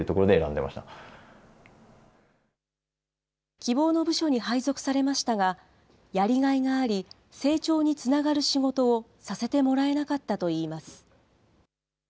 希望の部署に配属されましたが、やりがいがあり、成長につながる仕事をさせてもらえなかったといいます。